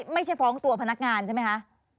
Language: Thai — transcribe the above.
ไม่ใช่ฟ้องตัวพนักงานใช่ไหมคะ